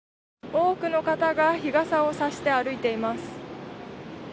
多くの方が日傘を差して歩いています。